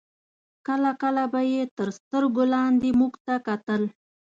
کله کله به یې تر سترګو لاندې موږ ته کتل.